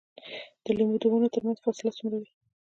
د لیمو د ونو ترمنځ فاصله څومره وي؟